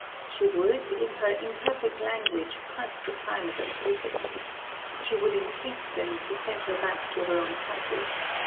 She would, in her imperfect language, curse the climate of Britain. She would intreat them to send her back to her own country.